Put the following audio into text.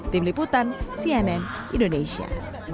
tim liputan cnn indonesia